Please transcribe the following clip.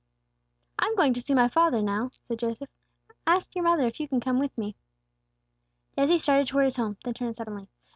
"I'm going to see my father, now," said Joseph. "Ask your mother if you can come with me." Jesse started towards his home, then turned suddenly.